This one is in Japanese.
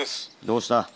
どうした？